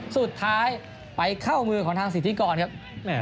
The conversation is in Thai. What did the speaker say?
สุดท้ายไปเข้ามือของทางสิทธิกรครับ